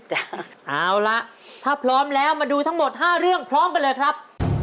เอาล่ะถ้าพร้อมแล้วมาดูทั้งหมด๕เรื่องพร้อมกันเลยครับ